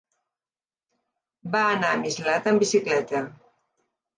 Va anar a Mislata amb bicicleta.